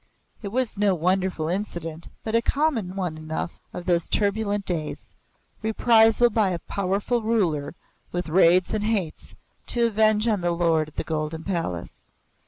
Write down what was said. It was no wonderful incident, but a common one enough of those turbulent days reprisal by a powerful ruler with raids and hates to avenge on the Lord of the Golden Palace.